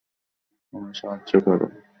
আমায় সাহায্য করো।